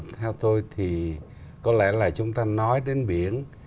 theo tôi thì có lẽ là chúng ta nói đến biển